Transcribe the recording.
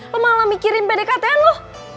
lo malah mikirin pdkt lo